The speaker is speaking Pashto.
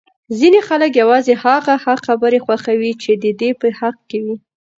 ځینی خلک یوازی هغه حق خبره خوښوي چې د ده په حق کي وی!